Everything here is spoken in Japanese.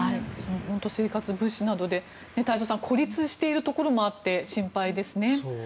本当に生活物資などで太蔵さん孤立しているところもあって心配ですね。